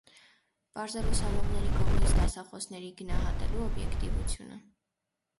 Պարզել ուսանողների կողմից դասախոսներին գնահատելու օբյեկտիվությունը։